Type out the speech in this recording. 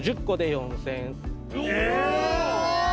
１０個で！？